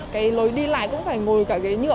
cái lối đi lại cũng phải ngồi cả ghế nhựa